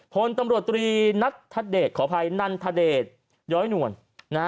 ผลตำรวจตรีนัทธเดชขอภัยนันธเดชย้อยหน่วน